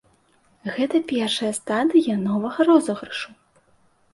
Гэта першая стадыя новага розыгрышу.